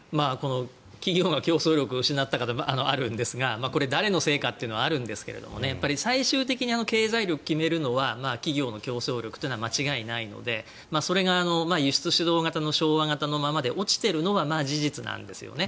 企業が競争力を失ったからでもあるんですがこれは誰のせいかというのはあるんですけど最終的に経済力を決めるのは企業の競争力というのは間違いないのでそれは輸出主導の昭和型のままで落ちているのは事実なんですよね。